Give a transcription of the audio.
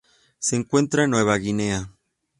Se encuentre en Nueva Guinea.